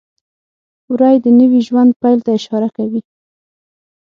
وری د نوي ژوند پیل ته اشاره کوي.